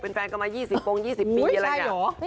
มีแฟนก็มา๒๐ปง๒๐ปีอะไรอย่างนี้